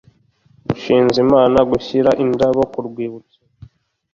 mushinzimana gushyiraindabo ku rwibutso